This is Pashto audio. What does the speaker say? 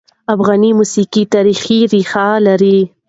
افغان موسیقي تاریخي ريښه لري.